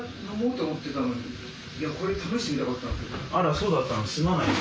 あらそうだったのすまないね。